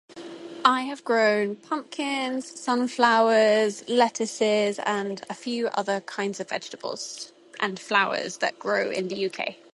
I have grown pumpkins, sunflowers, lettuces, and a few other kinds of vegetables, and flowers that grow in the UK